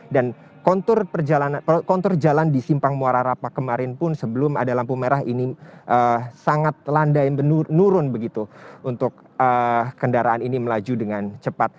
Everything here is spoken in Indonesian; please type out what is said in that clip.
dan kontur jalan di simpang muara rapat kemarin pun sebelum ada lampu merah ini sangat landai menurun begitu untuk kendaraan ini melaju dengan cepat